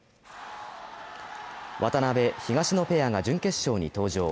渡辺・東野ペアが準決勝に登場。